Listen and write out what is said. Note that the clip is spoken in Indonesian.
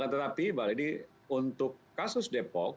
tetapi untuk kasus depok